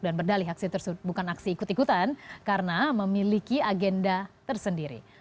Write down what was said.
dan berdalih aksi tersudut bukan aksi ikut ikutan karena memiliki agenda tersendiri